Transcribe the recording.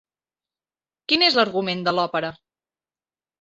Quin és l'argument de l'òpera?